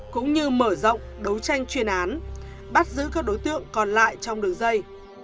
cũng như mở rộng đấu tranh chuyên án bắt giữ các đối tượng còn lại trong đường dây